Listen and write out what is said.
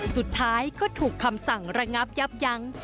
สุดท้ายก็ถูกคำสั่งระงับยับยั้ง